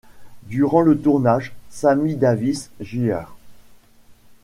Durant le tournage, Sammy Davis, Jr.